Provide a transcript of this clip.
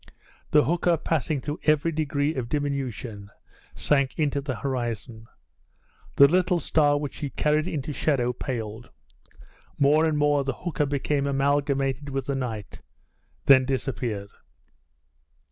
The hooker, passing through every degree of diminution, sank into the horizon. The little star which she carried into shadow paled. More and more the hooker became amalgamated with the night, then disappeared.